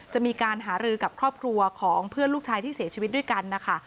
จะมีการหารือกับครอบครัวของเพื่อนลูกชายที่เสียชีวิตด้วยกันนะคะ